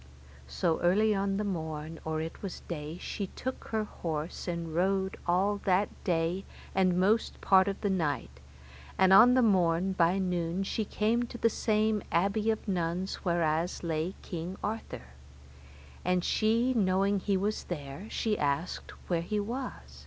So early on the morn, or it was day, she took her horse and rode all that day and most part of the night, and on the morn by noon she came to the same abbey of nuns whereas lay King Arthur; and she knowing he was there, she asked where he was.